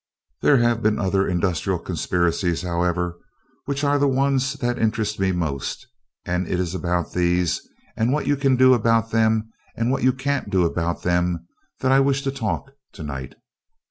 There have been other industrial conspiracies, however, which are the ones that interest me most, and it is about these and what you can do about them and what you can't do about them that I wish to talk tonight.